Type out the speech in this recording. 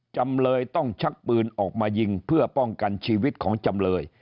จำเลยต้องชักปืนออกมายิงเพื่อป้องกันชีวิตของจำเลย